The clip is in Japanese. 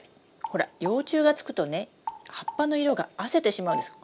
ほら幼虫がつくとね葉っぱの色があせてしまうんです。